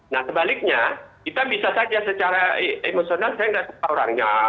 nah sebaliknya kita bisa saja secara emosional saya tidak suka orangnya